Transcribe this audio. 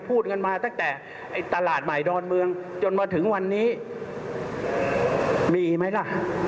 พูดกันมาตั้งแต่ตลาดใหม่ดอนเมืองจนมาถึงวันนี้มีไหมล่ะ